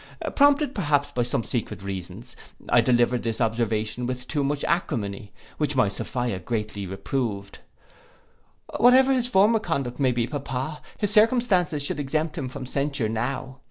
Prompted, perhaps, by some secret reasons, I delivered this observation with too much acrimony, which my Sophia gently reproved. 'Whatsoever his former conduct may be, pappa, his circumstances should exempt him from censure now.